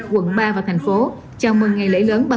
quận ba và thành phố chào mừng ngày lễ lớn